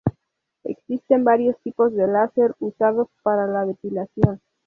Existen varios tipos de láser usados para la depilación.